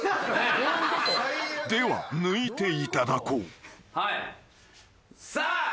［では抜いていただこう］